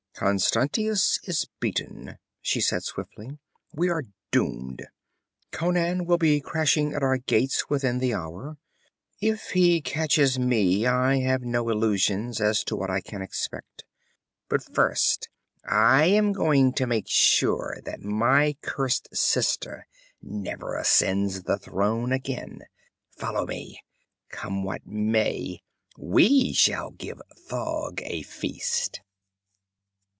'Constantius is beaten,' she said swiftly. 'We are doomed. Conan will be crashing at our gates within the hour. If he catches me, I have no illusions as to what I can expect. But first I am going to make sure that my cursed sister never ascends the throne again. Follow me! Come what may, we shall give Thaug a feast.'